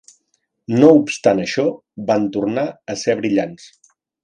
No obstant això, van tornar a ser brillants.